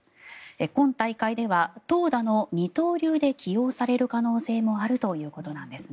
今大会では投打の二刀流で起用される可能性もあるということなんですね。